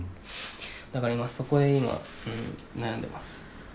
だからそこで今悩んでます。